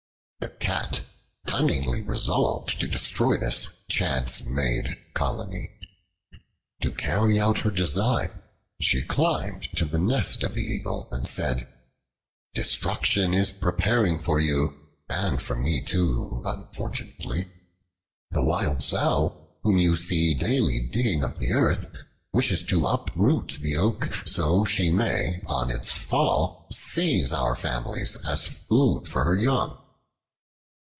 The Cat cunningly resolved to destroy this chance made colony. To carry out her design, she climbed to the nest of the Eagle, and said, "Destruction is preparing for you, and for me too, unfortunately. The Wild Sow, whom you see daily digging up the earth, wishes to uproot the oak, so she may on its fall seize our families as food for her young."